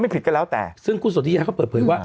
ผิดก็แล้วแต่ซึ่งคุณสนทิยาเขาเปิดเผยว่า